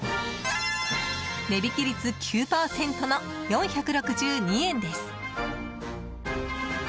値引き率９％の４６２円です。